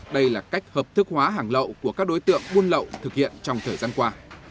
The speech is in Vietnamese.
đây là cách hợp thức hóa hàng lậu của các đối tượng buôn lậu thực hiện trong thời gian qua